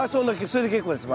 それで結構です